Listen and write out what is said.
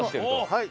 はい。